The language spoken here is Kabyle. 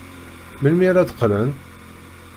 Melmi ara d-qqlen?